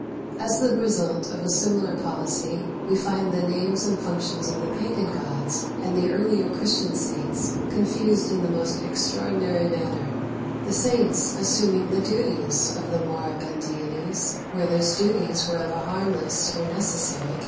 As the result of a similar policy we find the names and functions of the pagan gods and the earlier Christian saints confused in the most extraordinary manner; the saints assuming the duties of the moribund deities where those duties were of a harmless or necessary character.